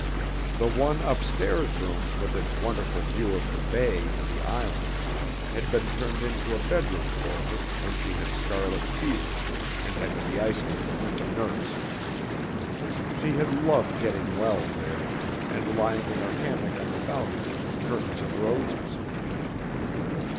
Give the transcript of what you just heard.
The one upstairs room, with its wonderful view of the bay and the islands, had been turned into a bedroom for her, when she had scarlet fever and had to be isolated with a nurse. She had "loved getting well there, and lying in her hammock on the balcony with curtains of roses."